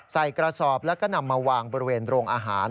ใส่กระสอบแล้วก็นำมาวางบริเวณโรงอาหาร